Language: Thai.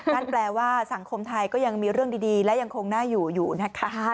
ก็แปลว่าสังคมไทยยังมีเรื่องดีและยังคงน่าอยู่นะคะ